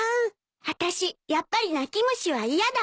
あたしやっぱり泣き虫は嫌だわ。